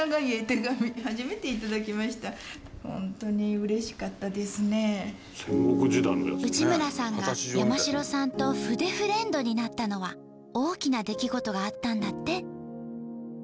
向かったのは内村さんが山城さんと筆フレンドになったのは大きな出来事があったんだって。